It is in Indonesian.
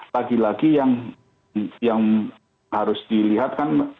lagi lagi yang harus dilihat kan